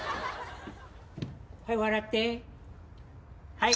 はい。